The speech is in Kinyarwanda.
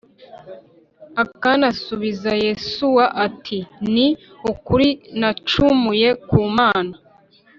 Akani asubiza Yosuwa ati Ni ukuri nacumuye ku mana